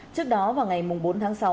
trước đó vào ngày bốn tháng sáu